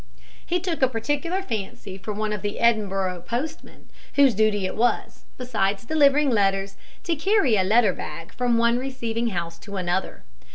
He took a particular fancy for one of the Edinburgh postmen, whose duty it was, besides delivering letters, to carry a letter bag from one receiving house to another.